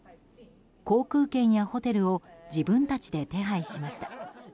航空券やホテルを自分たちで手配しました。